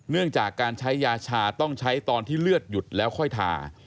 เนื่องจากการใช้ยาชาต้องใช้ตอนที่เลือดหยุดแล้วค่อยทา